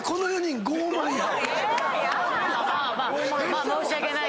まあ申し訳ない。